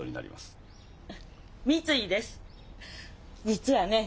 実はね